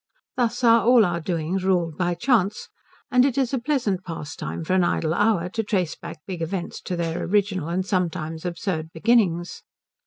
Thus are all our doings ruled by Chance; and it is a pleasant pastime for an idle hour to trace back big events to their original and sometimes absurd beginnings.